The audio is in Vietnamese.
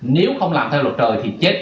nếu không làm theo luật trời thì chết như nhau